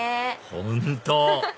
本当！